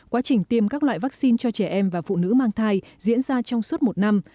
quá trình tiêm các loại vaccine cho trẻ em và phụ nữ mang thai diễn ra trong suốt một năm